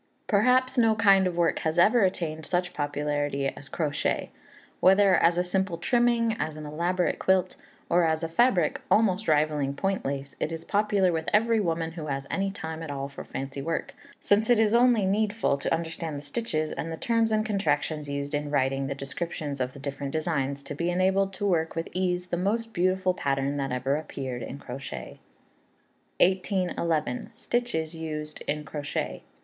Perhaps no kind of work has ever attained such popularity as Crochet. Whether as a simple trimming, as an elaborate quilt, or as a fabric, almost rivalling Point Lace, it is popular with every woman who has any time at all for fancy work, since it is only needful to understand the stitches, and the terms and contractions used in writing the descriptions of the different designs, to be enabled to work with ease the most beautiful pattern that ever appeared in crochet. 1811. Stitches used in Crochet.